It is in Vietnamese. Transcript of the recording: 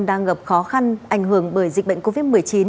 đang gặp khó khăn ảnh hưởng bởi dịch bệnh covid một mươi chín